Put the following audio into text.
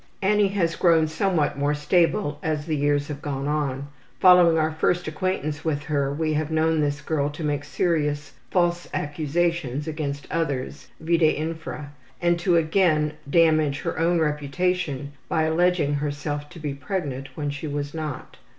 Annie has grown somewhat more stable as the years have gone on. Following our first acquaintance with her we have known this girl to make serious false accusations against others (vide infra) and to again damage her own reputation by alleging herself to be pregnant when she was not.